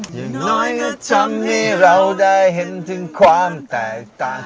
อย่างน้อยก็ทำให้เราได้เห็นถึงความแตกต่าง